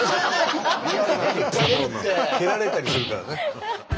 蹴られたりするからね。